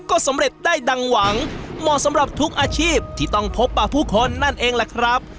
ก็สำเร็จได้ดังหวังเหมาะสำหรับทุกอาชีพที่ต้องพบป่าผู้คนนั่นเองแหละครับ